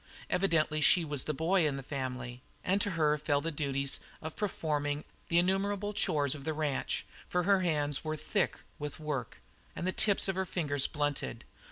Evidently she was the boy of the family and to her fell the duty of performing the innumerable chores of the ranch, for her hands were thick with work and the tips of the fingers blunted.